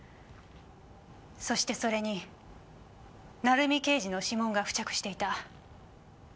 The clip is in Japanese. そしてそれに鳴海刑事の指紋が付着していた。